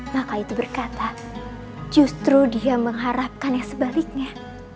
maka itu berkata justru dia mengharapkan yang sebaliknya